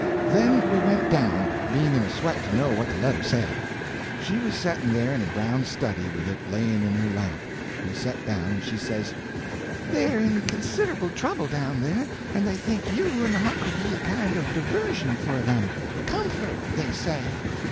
Then we went down, being in a sweat to know what the letter said. She was setting there in a brown study, with it laying in her lap. We set down, and she says: "They're in considerable trouble down there, and they think you and Huck'll be a kind of diversion for them—'comfort,' they say.